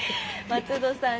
松戸さん